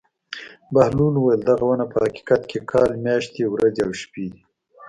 بهلول وویل: دغه ونه په حقیقت کې کال میاشتې ورځې او شپې دي.